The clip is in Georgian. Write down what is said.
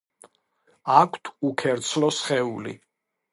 აქვთ უქერცლო სხეული.